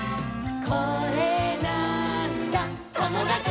「これなーんだ『ともだち！』」